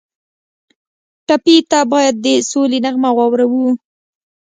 ټپي ته باید د سولې نغمه واورو.